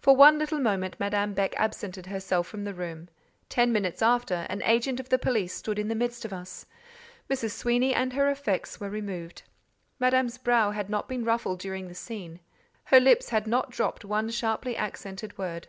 For one little moment Madame Beck absented herself from the room; ten minutes after, an agent of the police stood in the midst of us. Mrs. Sweeny and her effects were removed. Madame's brow had not been ruffled during the scene—her lips had not dropped one sharply accented word.